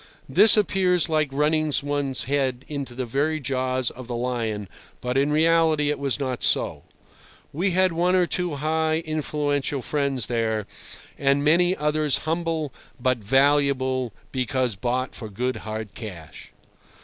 This appears like running one's head into the very jaws of the lion, but in reality it was not so. We had one or two high, influential friends there, and many others humble but valuable because bought for good hard cash.